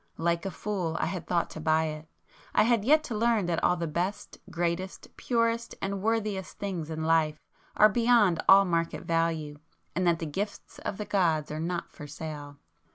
Like a fool I had thought to buy it; I had yet to learn that all the best, greatest, purest and worthiest things in life are beyond all market value and that the gifts of the gods are not for sale.